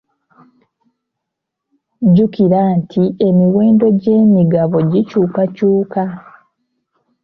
Jjukira nti emiwendo gy'emigabo gikyukakyuka.